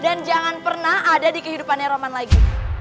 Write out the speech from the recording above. dan jangan pernah ada di kehidupannya romann lagi